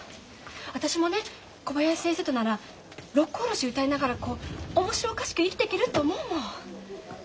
私もね小林先生となら「六甲おろし」歌いながらこう面白おかしく生きてけると思うもん。